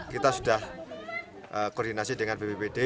kita sudah koordinasi dengan bppd